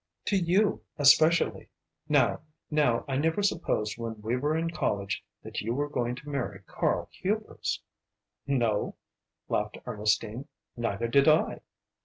"To you, especially. Now, I never supposed when we were in college that you were going to marry Karl Hubers." "No," laughed Ernestine, "neither did I."